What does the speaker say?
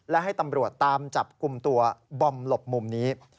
และให้ตำรวจตามจับกลุ่มตัวบอมหลบมุมนี้